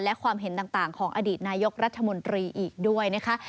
และความเห็นต่างของอดีตนายกรัฐมนตรีอีกด้วยนะคะ